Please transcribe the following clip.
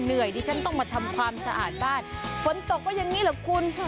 ดิฉันต้องมาทำความสะอาดบ้านฝนตกก็อย่างนี้เหรอคุณ